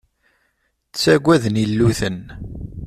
Ttagaden illuten.